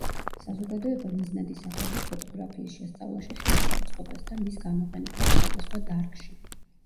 საზოგადოება მიზნად ისახავდა ფოტოგრაფიის შესწავლაში ხელის შეწყობას და მის გამოყენებას სხვადასხვა დარგში.